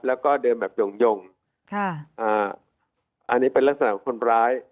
แล้วก็เดินแบบยงค่ะอ่าอันนี้เป็นลักษณะของคนร้าย